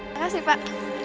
terima kasih pak